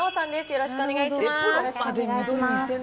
よろしくお願いします。